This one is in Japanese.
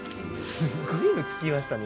すごいの聞きましたね